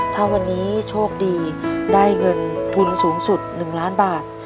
ถ้าวันนี้โชคดีได้เงินทุนสูงสุด๑ล้านบาท